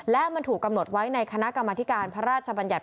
และมันถูกกำหนดไว้ในคณะกรรมธิการพระราชบัญญัติ